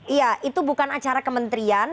iya itu bukan acara kementerian